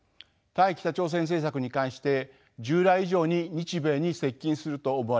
対北朝鮮政策に関して従来以上に日米に接近すると思われます。